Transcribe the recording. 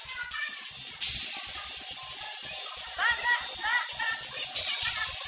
tidak ada makasih